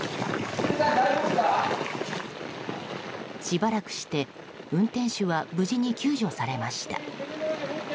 しばらくして、運転手は無事に救助されました。